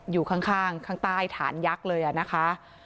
อยู่ข้างข้างใต้ฐานยักษ์เลยนะคะ